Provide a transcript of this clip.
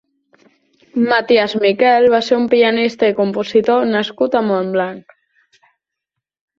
Maties Miquel va ser un pianista i compositor nascut a Montblanc.